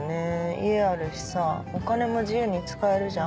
家あるしさお金も自由に使えるじゃん。